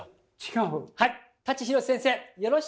はい！